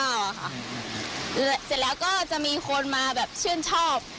เสร็จแล้วก็จะมีคนมาแบบชื่นชอบ